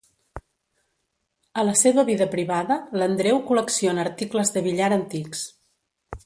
A la seva vida privada, l'Andreu col·lecciona articles de billar antics.